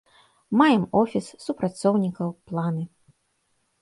Маем офіс, супрацоўнікаў, планы.